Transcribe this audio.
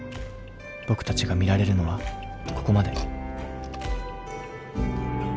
僕たちが見られるのはここまで。